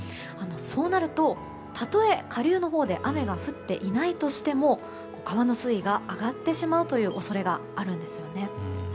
そうなると、たとえ下流のほうで雨が降っていないとしても川の水位が上がってしまうという恐れがあるんですね。